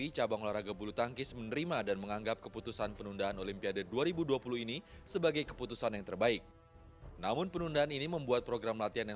kalau dibilang kecewa karena semua atlet juga memang sama sama tertunda ya situasinya